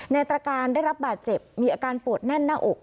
ตรการได้รับบาดเจ็บมีอาการปวดแน่นหน้าอก